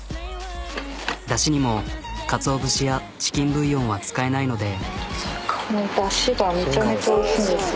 ダシにもカツオ節やチキンブイヨンは使えないので。